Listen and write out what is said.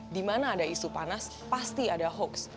di mana ada isu panas pasti ada hoax